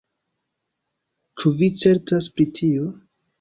Ĉu vi certas pri tio?